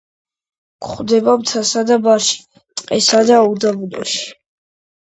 გვხვდება მთასა და ბარში, ტყესა და უდაბნოში.